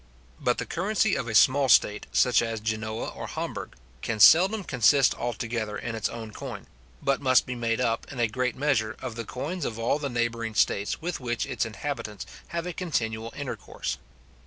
But the currency of a small state, such as Genoa or Hamburg, can seldom consist altogether in its own coin, but must be made up, in a great measure, of the coins of all the neighbouring states with which its inhabitants have a continual intercourse.